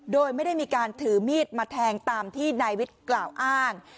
โดยไม่ได้มีการถือมีดมาแทงตามที่นายวิทย์กล่าวอ้าง